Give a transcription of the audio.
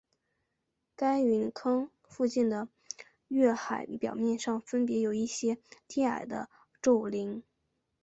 该陨坑附近的月海表面上分布有一些低矮的皱岭。